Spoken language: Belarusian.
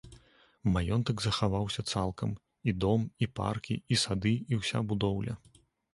Маёнтак захаваўся цалкам, і дом, і паркі, і сады, і ўся будоўля.